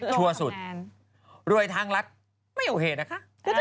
ชั่วสุดรวยทางรักไม่โอเคนะคะ